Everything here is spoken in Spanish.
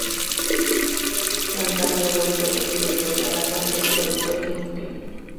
Giancarlo Volpe, ex director de Avatar, es productor ejecutivo.